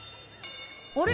あれ？